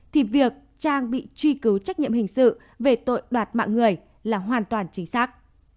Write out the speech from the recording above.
thì việc trang bị truy cứu trách nhiệm hình sự về tội đoạt mạng người là hoàn toàn chính xác